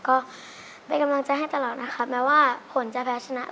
ก็เป็นกำลังใจให้ตลอดนะคะแม้ว่าผลจะแพ้ชนะ